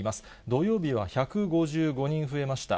土曜日は１５５人増えました。